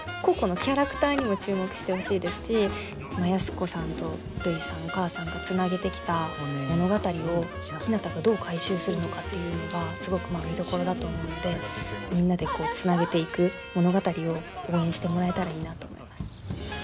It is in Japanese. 個々のキャラクターにも注目してほしいですし安子さんとるいさんお母さんがつなげてきた物語をひなたがどう回収するのかっていうのがすごく見どころだと思うのでみんなでつなげていく物語を応援してもらえたらいいなと思います。